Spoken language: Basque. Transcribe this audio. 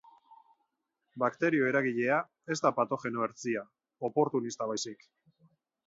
Bakterio eragilea ez da patogeno hertsia, oportunista baizik.